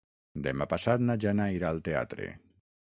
Demà passat na Jana irà al teatre.